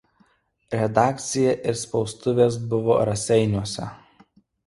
Redakcija ir spaustuvė buvo Raseiniuose.